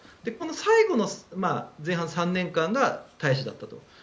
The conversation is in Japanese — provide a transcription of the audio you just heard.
この最後の前半３年間が大使だったと。